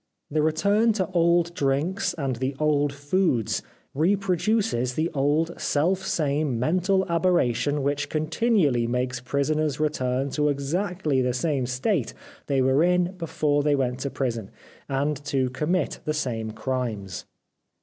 The return to old drinks and the old foods reproduces the old self same mental aberration which continually makes prisoners return to exactly the same state they were in before they went to prison, and to commit the same crimes."